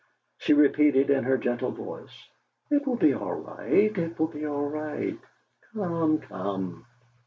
She repeated in her gentle voice: "It will be all right it will be all right. Come, come!"